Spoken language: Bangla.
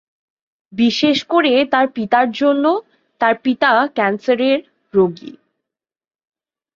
বিশেষ করে তার পিতার জন্য, তার পিতা ক্যান্সার এর রোগী।